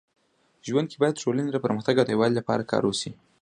ژوند کي باید ټولني د پرمختګ او يووالي لپاره کار وسي.